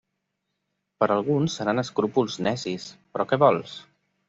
Per a alguns seran escrúpols necis, però què vols?